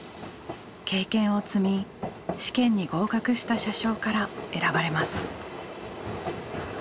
経験を積み試験に合格した車掌から選ばれます。